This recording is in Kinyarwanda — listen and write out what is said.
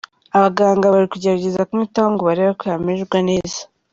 abaganga bari kugerageza kumwitaho ngo barebe ko yamererwa neza.